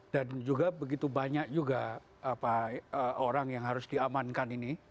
dan juga begitu banyak juga orang yang harus diamankan ini